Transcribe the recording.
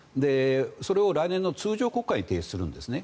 それを来年の通常国会に提出するんですね。